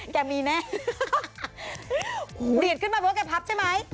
แกมีแน่เปลี่ยนขึ้นมาเพราะว่าแกพับใช่มั้ย